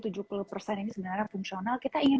ini sebenarnya fungsional kita ingin